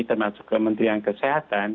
termasuk kementerian kesehatan